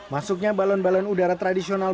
masuknya balon balon udara tradisional